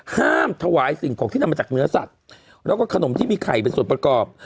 ถวายสิ่งของที่นำมาจากเนื้อสัตว์แล้วก็ขนมที่มีไข่เป็นส่วนประกอบ